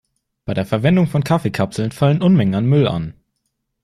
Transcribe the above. Bei der Verwendung von Kaffeekapseln fallen Unmengen an Müll an.